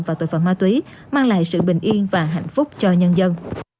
và tội phạm ma túy mang lại sự bình yên và hạnh phúc cho nhân dân